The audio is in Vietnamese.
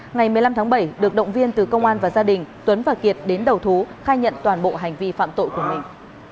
ngày một mươi năm tháng bảy được động viên từ công an và gia đình tuấn và kiệt đến đầu thú khai nhận toàn bộ hành vi phạm tội của mình